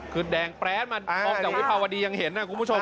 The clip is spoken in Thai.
คือแดงแปรดมันมองจากวิภาวดียังเห็นนะคุณผู้ชม